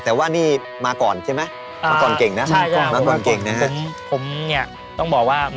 แต่ว่านี่มาก่อนใช่ไหม